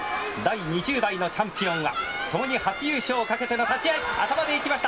第２０代のチャンピオンは共に初優勝をかけての立ち合い。